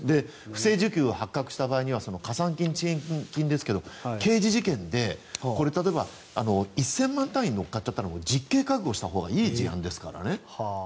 不正受給が発覚した場合加算金、遅延金ですが刑事事件で、例えば１０００万円単位に乗っかっちゃったら実刑を覚悟したほうがいい事案ですからね。